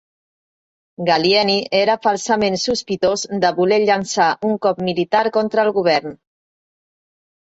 Gallieni era falsament sospitós de voler llançar un cop militar contra el govern.